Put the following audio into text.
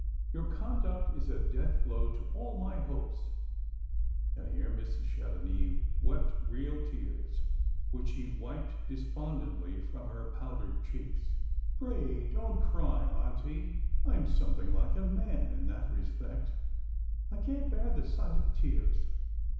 Your conduct is a death blow to all my hopes." And here Mrs. Chevenix wept real tears, which she wiped despondently from her powdered cheeks. " Pray don't cry, auntie. I am something like a man in thai respect ; 1 can't bear the sight of tears.